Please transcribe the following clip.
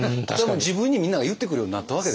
自分にみんなが言ってくるようになったわけでしょ。